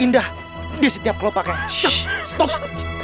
di setiap kelopaknya